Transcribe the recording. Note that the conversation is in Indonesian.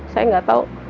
saya nggak tahu